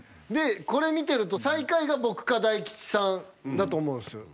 でこれ見てると最下位が僕か大吉さんだと思うんです。